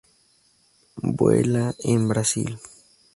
Vuela en Brasil.